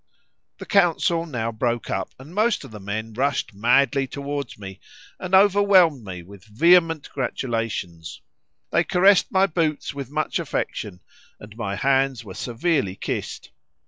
The council now broke up, and most of the men rushed madly towards me, and overwhelmed me with vehement gratulations; they caressed my boots with much affection, and my hands were severely kissed.